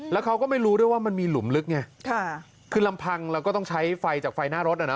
แล้วเขาก็ไม่รู้ด้วยว่ามันมีหลุมลึกไงค่ะคือลำพังเราก็ต้องใช้ไฟจากไฟหน้ารถอ่ะนะ